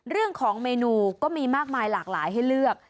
เรื่องของเมนูก็มีมากมายหลากหลายให้เลือก